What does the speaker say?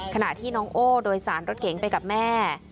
ขณะที่น้องโอ้โดยสารรถเก๋งไปกับแม่